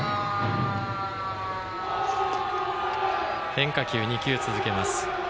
変化球２球続けます。